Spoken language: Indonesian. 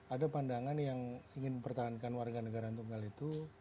ada pandangan yang ingin mempertahankan warga negara tunggal itu